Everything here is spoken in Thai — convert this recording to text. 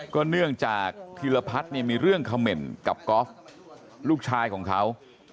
เนื่องจากธีรพัฒน์เนี่ยมีเรื่องเขม่นกับกอล์ฟลูกชายของเขา